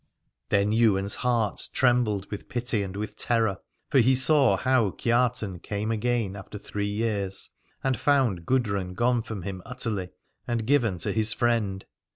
Then Ywain's heart trembled with pity and with terror : for he saw how Kiartan came again after three years, and found Gudrun gone from him utterly and given to his friend.